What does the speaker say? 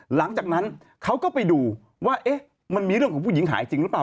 หลังจากนั้นเขาก็ไปดูว่ามันมีเรื่องของผู้หญิงหายจริงหรือเปล่า